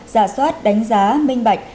giả soát đánh giá minh bạch